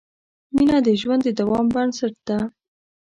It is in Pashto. مینه د ژوند د دوام بنسټ ده.